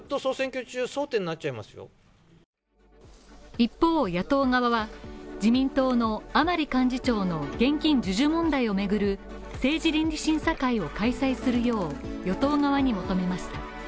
一方野党側は、自民党の甘利幹事長の現金授受問題をめぐる政治倫理審査会を開催するよう与党側に求めます。